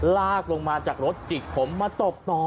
ลากลงมาจากรถจิกผมมาตบต่อ